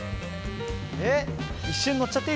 えっ一瞬乗っちゃっていいですか？